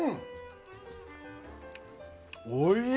おいしい！